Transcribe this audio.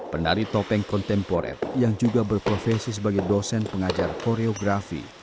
penari topeng kontemporer yang juga berprofesi sebagai dosen pengajar koreografi